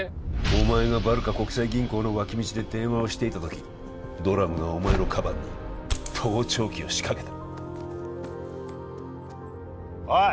お前がバルカ国際銀行の脇道で電話をしていた時ドラムがお前のカバンに盗聴器を仕掛けたおい！